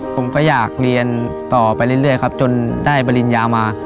ผมก็อยากเรียนต่อไปเรื่อยครับจนได้ปริญญามา